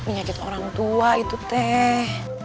penyakit orang tua itu teh